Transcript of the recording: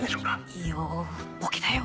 いいよボケたよ。